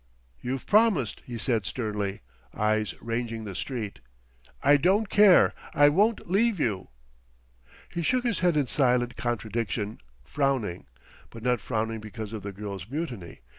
"You've promised," he said sternly, eyes ranging the street. "I don't care; I won't leave you." He shook his head in silent contradiction, frowning; but not frowning because of the girl's mutiny.